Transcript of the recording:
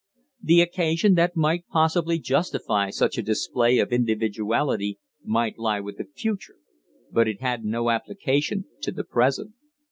The occasion that might possibly justify such a display of individuality might lie with the future, but it had no application to the present.